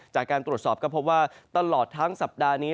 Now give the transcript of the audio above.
จากการตรวจสอบก็พบว่าตลอดทั้งสัปดาห์นี้